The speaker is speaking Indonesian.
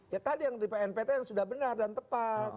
ya tadi yang di pnpt yang sudah benar dan tepat